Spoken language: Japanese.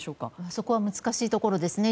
そこは難しいところですね。